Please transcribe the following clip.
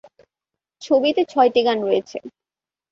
ছবিতে ছয়টি গান রয়েছে।